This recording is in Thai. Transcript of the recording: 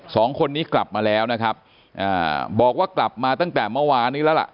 สองคนนี้กลับมาแล้วนะครับอ่าบอกว่ากลับมาตั้งแต่เมื่อวานนี้แล้วล่ะ